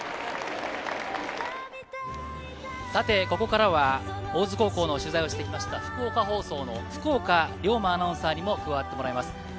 ここからは大津高校の取材をして来ました福岡放送の福岡竜馬アナウンサーにも加わってもらいます。